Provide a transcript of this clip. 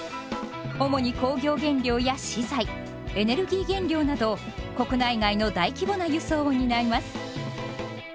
主に工業原料や資材エネルギー原料など国内外の大規模な輸送を担います。